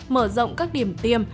mở rộng các điểm tiêm